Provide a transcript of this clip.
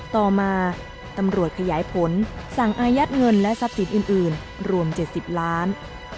ต่อมาตำรวจขยายผลสั่งอายัดเงินและทรัพย์สินอื่นรวม๗๐ล้าน